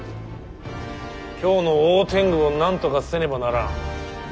京の大天狗をなんとかせねばならん。